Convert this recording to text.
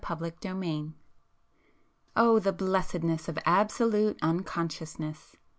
[p 376]XXXII Oh, the blessedness of absolute unconsciousness!